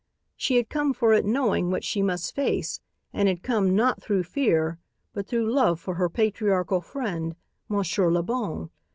She had come for it knowing what she must face and had come not through fear but through love for her patriarchal friend, Monsieur Le Bon.